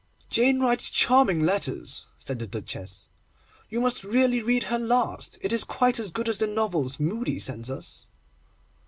'Jane writes charming letters,' said the Duchess; 'you must really read her last. It is quite as good as the novels Mudie sends us.